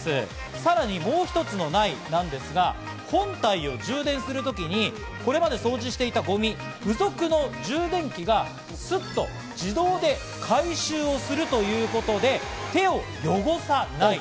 さらにもう１つのないなんですが、本体を充電する時にこれまで掃除していたゴミ、付属の充電器がスッと自動で回収をするということで、手を汚さない。